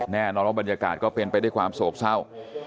แน่นอนว่าบรรยากาศก็เป็นไปด้วยความโศกเศร้า